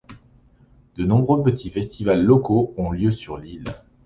De nombreux petits festivals locaux ont lieu sur l'île.